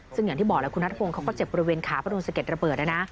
ซึ่งอย่างที่บอกแล้วคุณนัทพงศ์เขาก็เจ็บบริเวณขาเพราะโดนสะเด็ดระเบิด